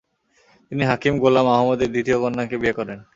তিনি হাকিম গোলাম আহমদের দ্বিতীয় কন্যাকে বিয়ে করেন।